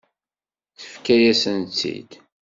Tefka-yasen-tt-id.